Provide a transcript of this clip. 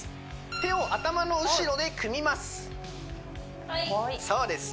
手を頭の後ろで組みますそうです